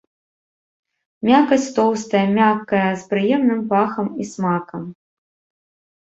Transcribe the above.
Мякаць тоўстая, мяккая, з прыемным пахам і смакам.